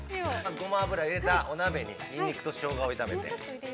◆ごま油を入れたお鍋に、ニンニクとショウガを炒めて。